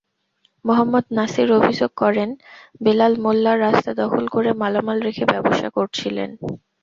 মোহাম্মদ নাছির অভিযোগ করেন, বেলাল মোল্লা রাস্তা দখল করে মালামাল রেখে ব্যবসা করছিলেন।